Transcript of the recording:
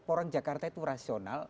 orang jakarta itu rasional